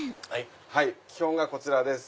基本がこちらです。